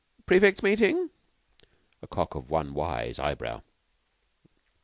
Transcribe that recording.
"Prefects' meeting?" A cock of one wise eye brow.